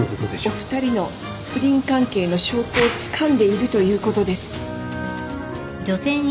お二人の不倫関係の証拠をつかんでいるということです。